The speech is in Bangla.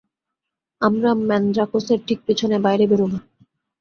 আমরা ম্যান্দ্রাকোসের ঠিক পিছনে বাইরে বেরোবো।